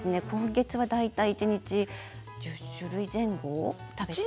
今月は大体毎日１０種類前後。